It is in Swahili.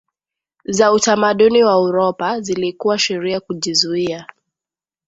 za utamaduni wa Uropa zilikuwa sheria kujizuia